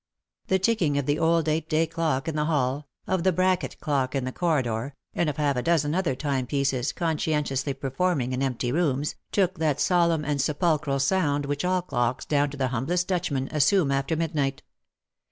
The ticking o£ the old eight day clock in the hall, of the bracket clock in the corridor, and of half a dozen other time pieces, conscientiously performing in. empty rooms, took that solemn and sepulchral sound which all clocks, down to the humblest Dutchman, assume after mid night.